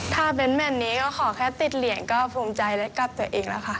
ถ้าเป็นแบบนี้ก็ขอแค่ติดเหรียญก็ภูมิใจได้กับตัวเองแล้วค่ะ